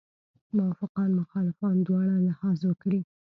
موافقان مخالفان دواړه لحاظ وکړي.